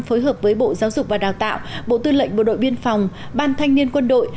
phối hợp với bộ giáo dục và đào tạo bộ tư lệnh bộ đội biên phòng ban thanh niên quân đội